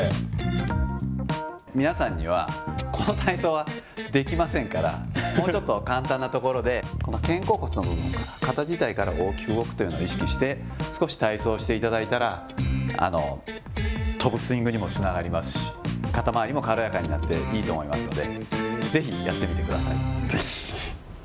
皆さんには、この体操はできませんから、もうちょっと簡単なところで、この肩甲骨の部分から、肩自体から大きく動くというのを意識して少し体操をしていただいたら、飛ぶスイングにもつながりますし、肩まわりも軽やかになっていいと思いますので、ぜひやってみてくぜひ。